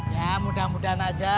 ya mudah mudahan aja